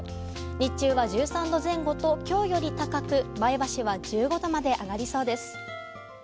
日中は１３度前後と今日より高く前橋は１５度まで上がりそうです。